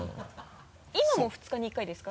今も２日に１回ですか？